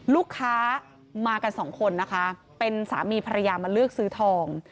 ลูกค้ามากันสองคนนะคะเป็นสามีภรรยามาเลือกซื้อทอง